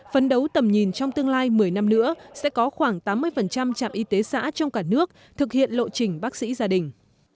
phấn đấu tầm nhìn trong tương lai một mươi năm nữa sẽ có khoảng tám mươi trạm y tế xã trong cả nước thực hiện lộ trình bác sĩ gia đình